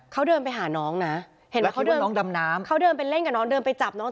เขาเดินไปหาน้องนะเขาเดินไปเล่นกับน้องเดินไปจับน้อง